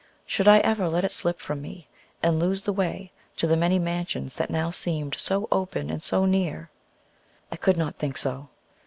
Should I ever let it slip from me, and lose the way to the "many mansions" that now seemed so open and so near? I could not think so.